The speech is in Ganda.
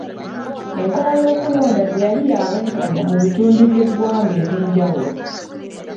Enkola y'okulonda teyali ya bwenkanya mu bitundu by'eggwanga eby'enjawulo.